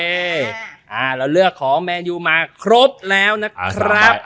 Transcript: เราเลือกของแมนยูมาครบแล้วนะครับ